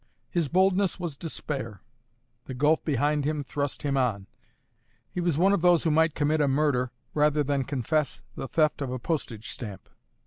His boldness was despair; the gulf behind him thrust him on; he was one of those who might commit a murder rather than confess the theft of a postage stamp.